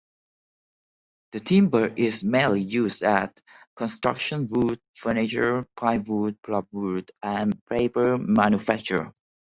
The timber is mainly used as construction wood, furniture, plywood, pulpwood and paper manufacture.